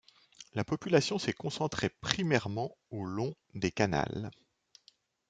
La population s'est concentré primairement au long des canals.